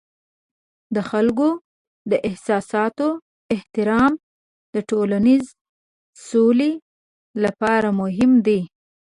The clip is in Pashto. د خلکو د احساساتو احترام د ټولنیز سولې لپاره مهم دی.